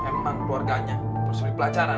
memang keluarganya bersubi pelajaran